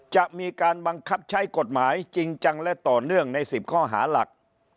จะมีการบังคับใช้กฎหมายจริงจังและต่อเนื่องใน๑๐ข้อหาหลัก